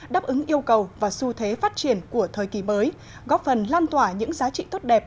đáp ứng yêu cầu và xu thế phát triển của thời kỳ mới góp phần lan tỏa những giá trị tốt đẹp